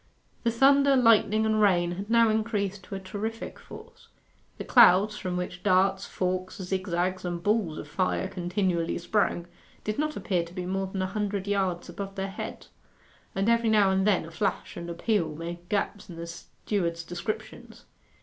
The thunder, lightning, and rain had now increased to a terrific force. The clouds, from which darts, forks, zigzags, and balls of fire continually sprang, did not appear to be more than a hundred yards above their heads, and every now and then a flash and a peal made gaps in the steward's descriptions.